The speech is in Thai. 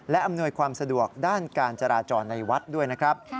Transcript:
และอำนวยความสะดวกด้านการจราจรในวัดด้วยนะครับ